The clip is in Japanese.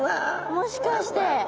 もしかして。